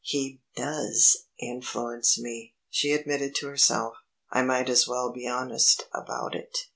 "He does influence me," she admitted to herself. "I might as well be honest about it.